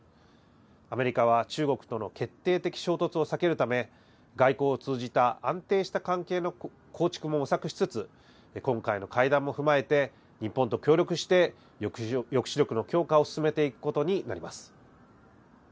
アメリカは中国との決定的衝突を避けるため、外交を通じた安定した関係の構築も模索しつつ、今回の会談も踏まえて、日本と協力して、抑止力の強化を進めていくことになります。